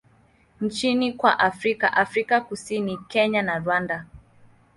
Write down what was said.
nchini kwa Afrika Afrika Kusini, Kenya na Rwanda.